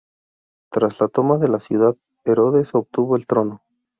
Tras la toma de la ciudad, Herodes obtuvo el trono.